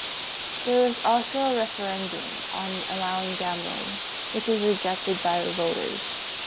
There was also a referendum on allowing gambling, which was rejected by voters.